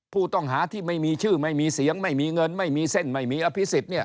ผู้ต้องหาที่ไม่มีชื่อไม่มีเสียงไม่มีเงินไม่มีเส้นไม่มีอภิษฎเนี่ย